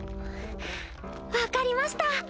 分かりました。